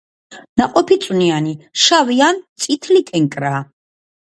ნაყოფი წვნიანი, შავი ან წითლი კენკრაა.